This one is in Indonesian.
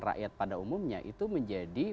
rakyat pada umumnya itu menjadi